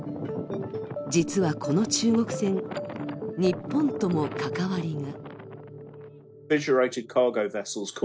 実は、この中国船、日本とも関わりが。